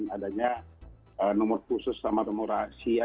dan adanya nomor khusus sama nomor rahasia